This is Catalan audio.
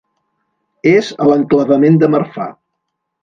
És a l'enclavament de Marfà.